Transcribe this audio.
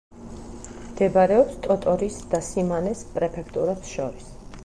მდებარეობს ტოტორის და სიმანეს პრეფექტურებს შორის.